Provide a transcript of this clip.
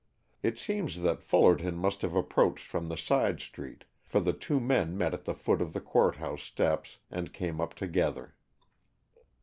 It seems that Fullerton must have approached from the side street, for the two men met at the foot of the Court House steps and came up together.